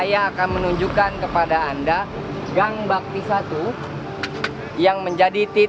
jarak antara rumah peggy dengan titik titik lokasi pembunuhan vina dan eki